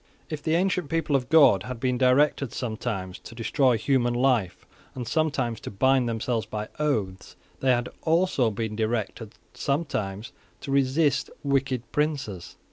If the ancient people of God had been directed sometimes to destroy human life, and sometimes to bind themselves by oaths, they had also been directed sometimes to resist wicked princes.